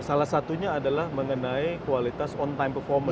salah satunya adalah mengenai kualitas on time performance